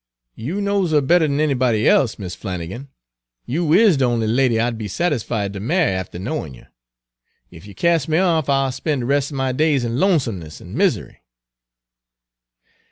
"You knows 'er better 'n anybody else, Mis' Flannigan. You is de only lady I'd be satisfied ter marry after knowin' you. Ef you casts me off I'll spen' de rest er my days in lonesomeness an' mis'ry."